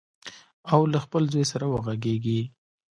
او له خپل زوی سره وغږیږي.